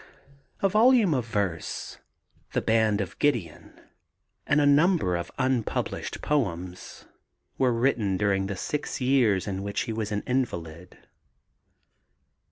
A volume of verse, The Band of Gideon, and a number of unpublished poems were written during the six years in which he was an invalid.